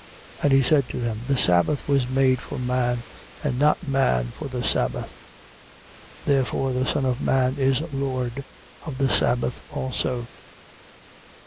2:27. And he said to them: The sabbath was made for man, and not man for the sabbath. 2:28. Therefore the Son of man is Lord of the sabbath also.